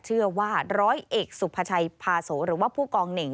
เชื่อว่าร้อยเอกสุภาชัยพาโสหรือว่าผู้กองเหน่ง